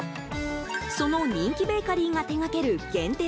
その人気ベーカリーが手掛ける限定